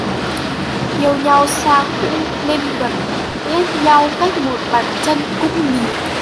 Yêu nhau xa cũng nên gần, ghét nhau cách một bàn chân cũng lìa